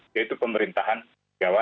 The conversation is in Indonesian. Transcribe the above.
yaitu pemerintahan jawa